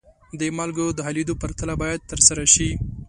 د مالګو د حلیدو پرتله باید ترسره شي.